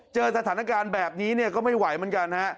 เจอสถานการณ์แบบนี้เนี่ยก็ไม่ไหวเหมือนกันฮะ